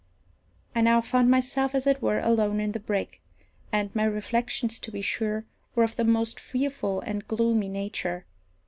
I now found myself, as it were, alone in the brig, and my reflections, to be sure, were of the most fearful and gloomy nature.